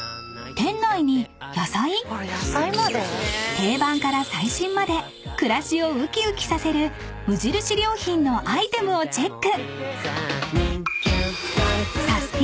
［定番から最新まで暮らしを浮き浮きさせる無印良品のアイテムをチェック］